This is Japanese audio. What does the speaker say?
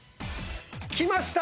きました！